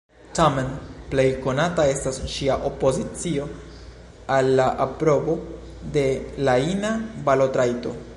Tamen, plej konata estas ŝia opozicio al la aprobo de la ina balotrajto.